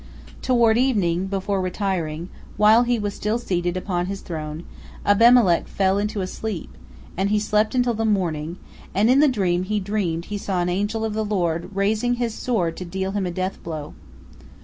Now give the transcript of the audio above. Toward evening, before retiring, while he was still seated upon his throne, Abimelech fell into a sleep, and he slept until the morning, and in the dream he dreamed he saw an angel of the Lord raising his sword to deal him a death blow.